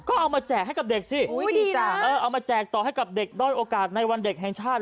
ก็เอามาแจกให้กับเด็กสิจ้ะเออเอามาแจกต่อให้กับเด็กด้อยโอกาสในวันเด็กแห่งชาติ